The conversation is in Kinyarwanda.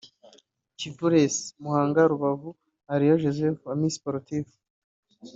Kivu Race (Muhanga - Rubavu) - Aleluya Joseph (Amis Sportifs)